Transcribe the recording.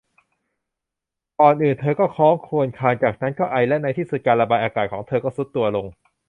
ก่อนอื่นเธอก็ร้องครวญครางจากนั้นก็ไอและในที่สุดการระบายอากาศของเธอก็ทรุดตัวลง